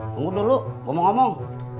tunggu dulu gue mau ngomong